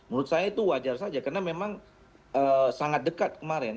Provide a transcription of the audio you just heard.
menurut saya itu wajar saja karena memang sangat dekat kemarin